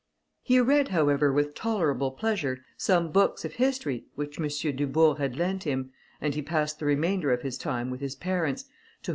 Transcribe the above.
He read, however, with tolerable pleasure, some books of history which M. Dubourg had lent him, and he passed the remainder of his time with his parents, to whom M.